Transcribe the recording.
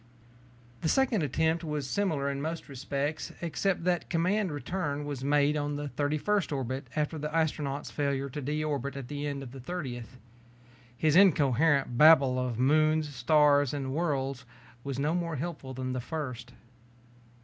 The second attempt was similar in most respects, except that command return was made on the thirty first orbit after the astronaut's failure to de orbit at the end of the thirtieth. His incoherent babble of moons, stars, and worlds was no more helpful than the first.